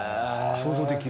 想像できる。